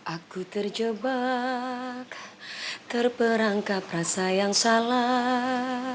aku terjebak terperangkap rasa yang salah